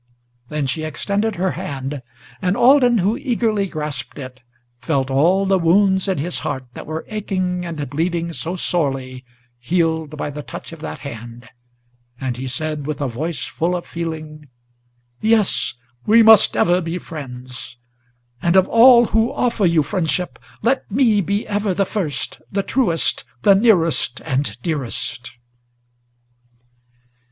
Then she extended her hand, and Alden, who eagerly grasped it, Felt all the wounds in his heart, that were aching and bleeding so sorely, Healed by the touch of that hand, and he said, with a voice full of feeling: "Yes, we must ever be friends; and of all who offer you friendship Let me be ever the first, the truest, the nearest and dearest!"